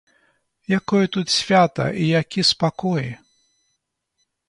Якое тут свята і які спакой!